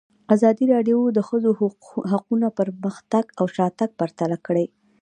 ازادي راډیو د د ښځو حقونه پرمختګ او شاتګ پرتله کړی.